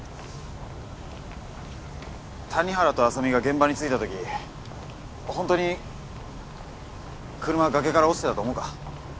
谷原と浅見が現場に着いた時ホントに車は崖から落ちてたと思うか？